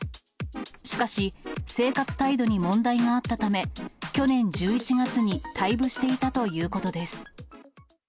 しかし、生活態度に問題があったため、去年１１月に退部していたということです。